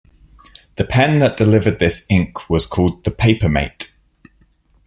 The pen that delivered this ink was called "The Paper Mate".